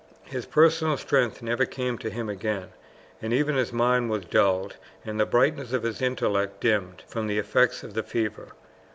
His personal strength never came to him again, and even his mind was dulled and the brightness of his intellect dimmed from the effects of the fever.